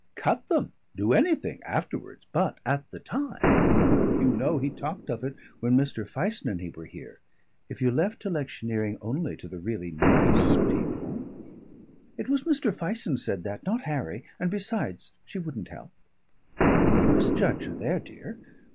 Cut them do anything afterwards, but at the time you know he talked of it when Mr. Fison and he were here. If you left electioneering only to the really nice people " "It was Mr. Fison said that, not Harry. And besides, she wouldn't help." "I think you misjudge her there, dear.